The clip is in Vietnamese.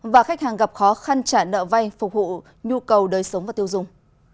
và khách hàng gặp khó khăn trả nợ vay phục vụ nhu cầu đời sống và tiêu dùng